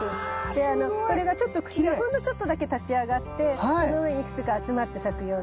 でこれがちょっと茎がほんのちょっとだけ立ち上がってその上にいくつか集まって咲くような。